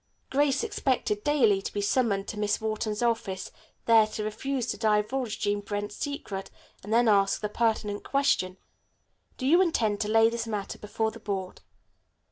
Grace expected, daily, to be summoned to Miss Wharton's office, there to refuse to divulge Jean Brent's secret and then ask the pertinent question, "Do you intend to lay this matter before the Board?"